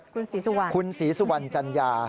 คุณศรีสุวรรณคุณศรีสุวรรณจัญญา